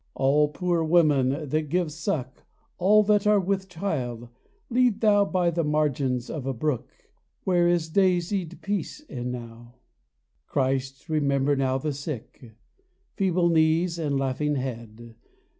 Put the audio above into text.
All poor women that give suck, All that are with child, lead Thou, By the margins of a brook Where is daisied peace enow. Christ, remember now the sick ; Feeble knees and hanging head.